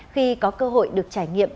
khi có cơ hội được trải nghiệm